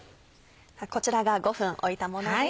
こちらが５分置いたものです。